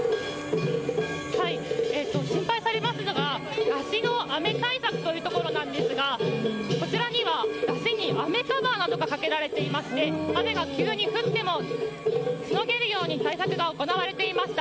心配されますのが山車の雨対策ですがこちらには山車に雨カバーなどがかけられていまして雨が急に降ってもしのげるように対策が行われていました。